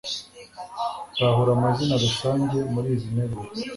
Tahura amazina rusange muri izi nteruro